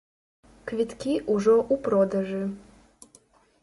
Квіткі ўжо ў продажы!